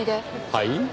はい？